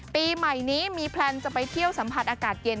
ปีใหม่นี้มีแพลนจะไปเที่ยวสัมผัสอากาศเย็น